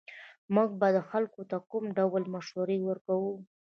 موږ به خلکو ته کوم ډول مشوره ورکوو